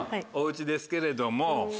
お家ですけれども。